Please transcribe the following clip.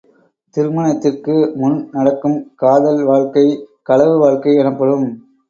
திருமணத்திற்கு முன் நடக்கும் காதல் வாழ்க்கை களவு வாழ்க்கை எனப்படும்.